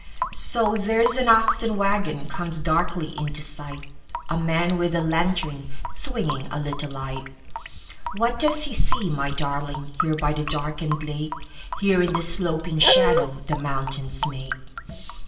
So, there's an oxen wagonComes darkly into sight:A man with a lantern, swingingA little light. What does he see, my darlingHere by the darkened lake? Here, in the sloping shadowThe mountains make?